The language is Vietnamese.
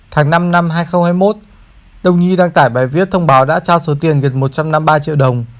tháng năm năm hai nghìn hai mươi một đông nhi đăng tải bài viết thông báo đã trao số tiền việt một trăm năm mươi ba triệu đồng